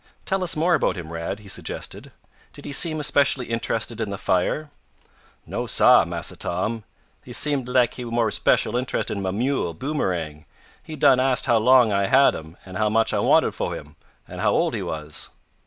"Tell us more about him, Rad," he suggested. "Did he seem especially interested in the fire?" "No, sah, Massa Tom, he seemed laik he was more special interested in mah mule, Boomerang. He done asted how long I had him, an' how much I wanted fo' him, an' how old he was."